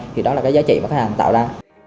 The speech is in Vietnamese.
thì đó là cái giá trị mà khách hàng tạo ra